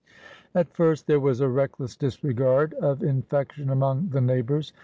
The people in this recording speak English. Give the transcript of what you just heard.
At first there was a reckless disregard of infection among the neighbors.